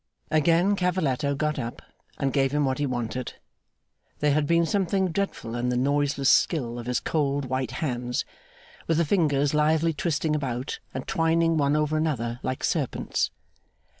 Again Cavalletto got up, and gave him what he wanted. There had been something dreadful in the noiseless skill of his cold, white hands, with the fingers lithely twisting about and twining one over another like serpents.